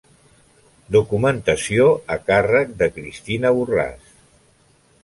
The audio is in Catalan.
Documentació a càrrec de Cristina Borràs.